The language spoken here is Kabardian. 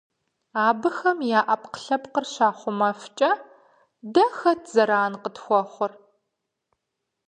Абыхэм я Ӏэпкълъэпкъыр щахъумэфкӀэ, дэ хэт зэран къытхуэхъур?